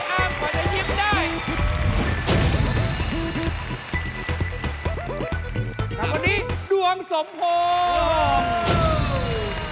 ครับวันนี้ดวงสมโพธิ์